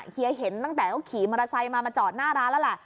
เฮียเห็นตั้งแต่เขาขี่มรสัยมามาจอดหน้าร้านแล้วล่ะ